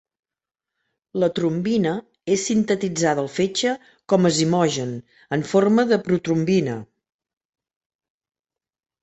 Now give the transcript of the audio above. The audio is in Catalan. La trombina és sintetitzada al fetge com a zimogen en forma de protrombina.